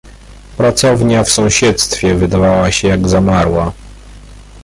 "Pracownia w sąsiedztwie wydawała się jak zamarła."